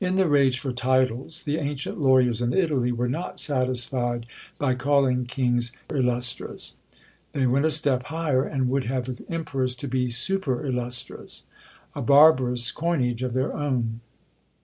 In the rage for TITLES the ancient lawyers in Italy were not satisfied by calling kings ILLUSTRES; they went a step higher, and would have emperors to be super illustres, a barbarous coinage of their own.